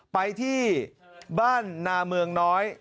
ไปที่บ้านนาเมืองน้อย